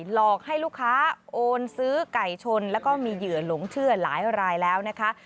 หลอกให้ลูกค้าโอนซื้อไก่ชนแล้วก็มีเหยื่อหลงเชื่อหลายรายแล้วนะคะ